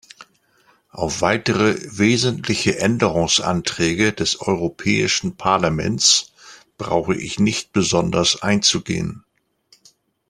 Auf weitere wesentliche Änderungsanträge des Europäischen Parlaments brauche ich nicht besonders einzugehen.